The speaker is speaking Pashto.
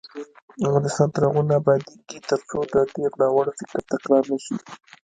افغانستان تر هغو نه ابادیږي، ترڅو د تیر ناوړه فکر تکرار نشي.